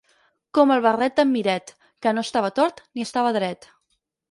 Com el barret d'en Miret, que no estava tort ni estava dret.